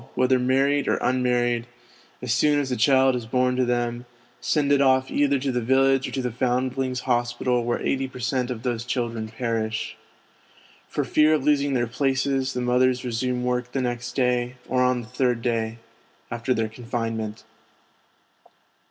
30 SOCIETY'S INDIFFERENCE 31 whether married or unmarried, as soon as a child is born to them, send it oft' either to the village or to the Foundlings' Hospital where 80 per cent, of these children perish. For fear of losing their places, the mothers resume work the next day, or on the third day, after their confinement.